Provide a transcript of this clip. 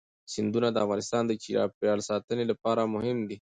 سیندونه د افغانستان د چاپیریال ساتنې لپاره مهم دي.